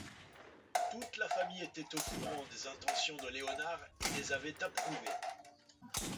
Toute la famille était au courant des intentions de Léonard et les avait approuvées.